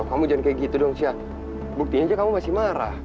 kamu jangan kayak gitu dong chea buktinya aja kamu masih marah